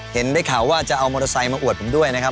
เห็นได้ข่าวว่าจะเอามอเตอร์ไซค์มาอวดผมด้วยนะครับ